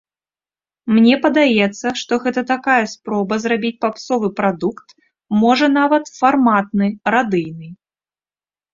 Мне падаецца, што гэта такая спроба зрабіць папсовы прадукт, можа, нават, фарматны, радыйны.